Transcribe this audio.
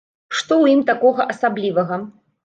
Што ў ім такога асаблівага?